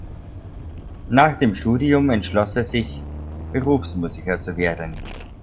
Nach dem Studium entschloss er sich, Berufsmusiker zu werden.